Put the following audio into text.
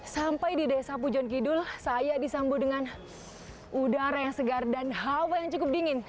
sampai di desa pujon kidul saya disambut dengan udara yang segar dan hawa yang cukup dingin